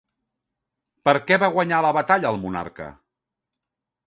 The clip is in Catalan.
Per què va guanyar la batalla el monarca?